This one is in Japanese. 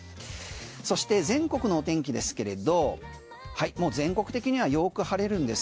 そして、全国の天気ですけれど全国的にはよく晴れるんです。